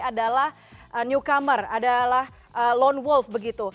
adalah newcomer adalah lone wolf begitu